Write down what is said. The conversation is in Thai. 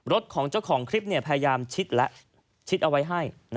รถของเจ้าของคลิปพยายามชิดและชิดเอาไว้ให้